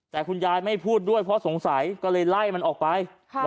แต่คุณยายไม่พูดด้วยเพราะสงสัยก็เลยไล่มันออกไป